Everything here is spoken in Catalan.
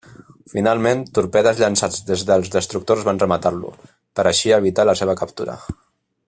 Finalment, torpedes llançats des dels destructors van rematar-lo, per així evitar la seva captura.